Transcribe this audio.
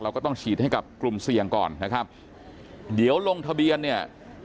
ก็ต้องฉีดให้กับกลุ่มเสี่ยงก่อนนะครับเดี๋ยวลงทะเบียนเนี่ย